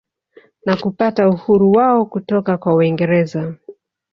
Na kupata uhuru wao kutoka kwa waingereza